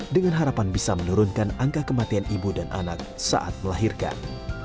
dengan harapan bisa menurunkan angka kematian ibu dan anak saat melahirkan